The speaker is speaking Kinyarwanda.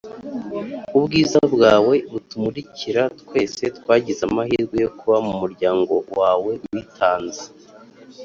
ubwiza bwawe butumurikira twese twagize amahirwe yo kuba mumuryango wawe witanze,